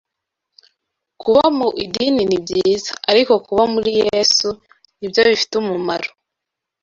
Kuba mu idini ni byiza, ariko kuba muri Yesu ni byo bifite umumaro.